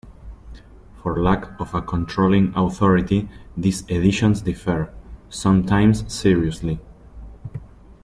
For lack of a controlling authority, these editions differ, sometimes seriously.